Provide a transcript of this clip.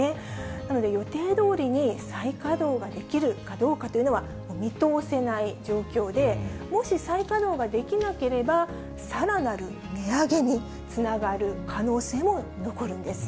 なので、予定どおりに再稼働ができるかどうかというのは、見通せない状況で、もし再稼働ができなければ、さらなる値上げにつながる可能性も残るんです。